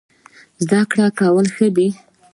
زده کول ښه دی.